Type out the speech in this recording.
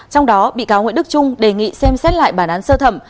trong đó bị cáo nguyễn đức trung đề nghị xem xét lại bản án sơ thẩm